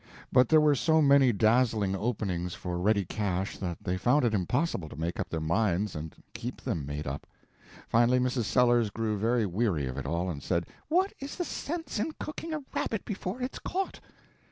But there were so many dazzling openings for ready cash that they found it impossible to make up their minds and keep them made up. Finally, Mrs. Sellers grew very weary of it all, and said: "What is the sense in cooking a rabbit before it's caught?"